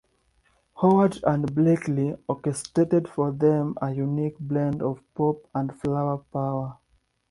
Howard and Blaikley orchestrated for them a unique blend of pop and flower power.